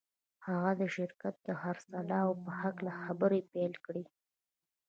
هغه د شرکت د خرڅلاو په هکله خبرې پیل کړې